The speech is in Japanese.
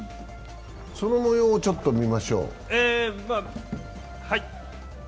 そのもようをちょっと見ましょう。